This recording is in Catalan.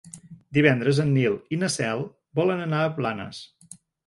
Divendres en Nil i na Cel volen anar a Blanes.